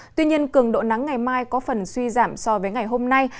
tuy nhiên cường độ nắng ngày mai có phần suy giảm so với ngày hôm nay